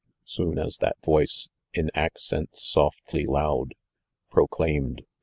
Soon as that voice in accents softly | onil Proclaimed twa.